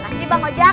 terima kasih bang ojak